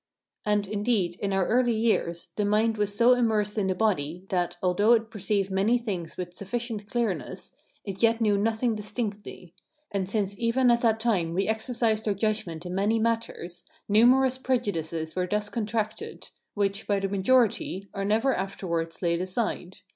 And, indeed, in our early years, the mind was so immersed in the body, that, although it perceived many things with sufficient clearness, it yet knew nothing distinctly; and since even at that time we exercised our judgment in many matters, numerous prejudices were thus contracted, which, by the majority, are never afterwards laid aside.